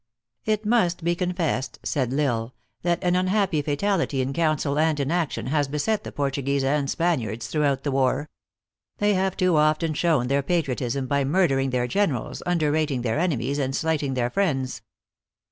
"It must be confessed," said L Isle, "that an un happy fatality in council and in action, has beset the Portuguese and Spaniards, throughout the war. They have too often shown their patriotism by murdering their generals, underrating their enemies and slighting their friends.